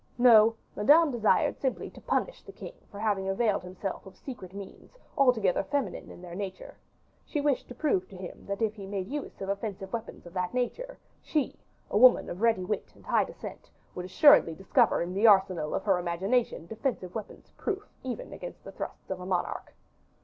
No, Madame desired simply to punish the king for having availed himself of secret means altogether feminine in their nature; she wished to prove to him that if he made use of offensive weapons of that nature, she, a woman of ready wit and high descent, would assuredly discover in the arsenal of her imagination defensive weapons proof even against the thrusts of a monarch.